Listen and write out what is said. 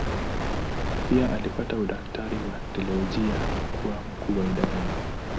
Pia alipata udaktari wa teolojia na kuwa mkuu wa idara hiyo.